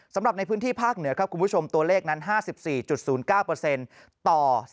สำหรับในพื้นที่ภาคเหนือครับคุณผู้ชมตัวเลขนั้น๕๔๐๙ต่อ